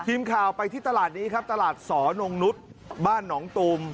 ทีมข่าวไปที่ตลาดนี้ครับตลาดสอนงนุษย์บ้านหนองตูม